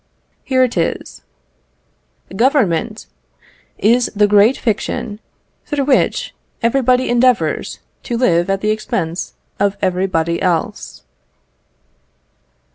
Here it is: Government is the great fiction, through which everybody endeavours to live at the expense of everybody else.